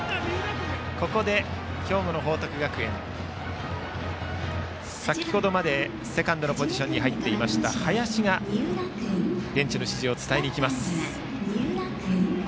ここで兵庫の報徳学園先程までセカンドのポジションに入っていました林がベンチの指示を伝えにいきます。